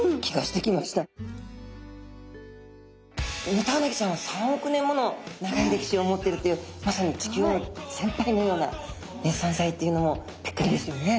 ヌタウナギちゃんは３億年もの長い歴史を持ってるっていうまさにちきゅうのせんぱいのようなそんざいっていうのもビックリですよね。